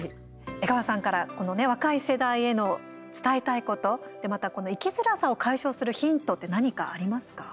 江川さんから若い世代への、伝えたいこと生きづらさを解消するヒントって何かありますか？